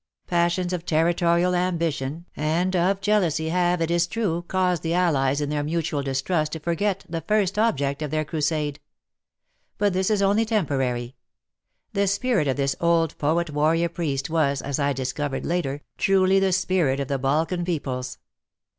Passions of territorial ambition and of jealousy 32 WAR AND WOMEN have, it is true, caused the Allies in their mutual distrust to forget the first object of their crusade. But this is only temporary. The spirit of this old poet warrior priest was, as I discovered later, truly the spirit of the Balkan peoples.